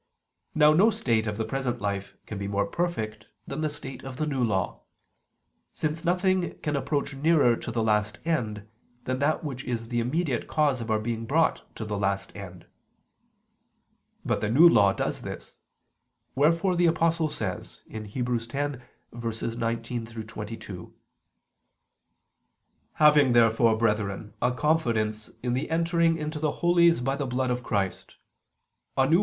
Now no state of the present life can be more perfect that the state of the New Law: since nothing can approach nearer to the last end than that which is the immediate cause of our being brought to the last end. But the New Law does this: wherefore the Apostle says (Heb. 10:19 22): "Having therefore, brethren, a confidence in the entering into the Holies by the blood of Christ, a new ...